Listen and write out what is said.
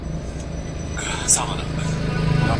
څوک په لومړي کتار کي جنګیږي؟